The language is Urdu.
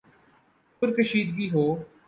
پر کشیدگی ہو،